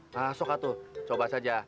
masuklah tuh coba saja